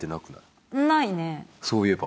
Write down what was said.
そういえば。